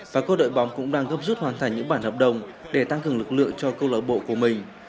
và các đội bóng cũng đang gấp rút hoàn thành những bản hợp đồng để tăng cường lực lượng cho câu lạc bộ của mình